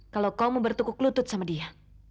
kalau kau mau bertukuk lutut sama dia